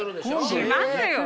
しますよ。